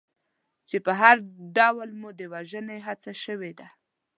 چې په هر ډول مو د وژنې هڅه شوې ده.